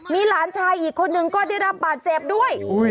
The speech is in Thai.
มีหลานชายอีกคนนึงก็ได้รับบาดเจ็บด้วย